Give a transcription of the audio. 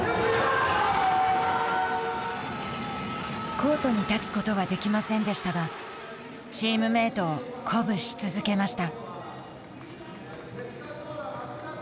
コートに立つことはできませんでしたがチームメートを鼓舞し続けました。